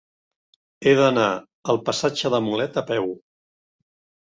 He d'anar al passatge de Mulet a peu.